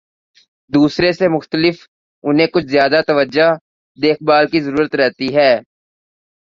دوسرے سے مختلف، انہیں کچھ زیادہ توجہ، دیکھ بھال کی ضرورت رہتی ہے۔